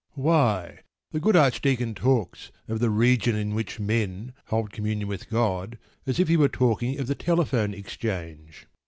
Why the good archdeacon talks of the "region in which man holds communion with God" as if he were talking of the telephone exchange.